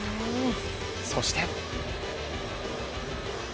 そして。